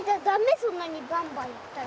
そんなにバンバンやったら。